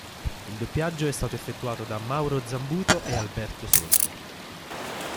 Il doppiaggio è stato effettuato da Mauro Zambuto e Alberto Sordi.